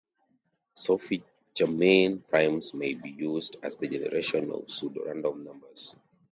Sophie Germain primes may be used in the generation of pseudo-random numbers.